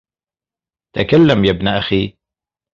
تَكَلَّمْ يَا ابْنَ أَخِي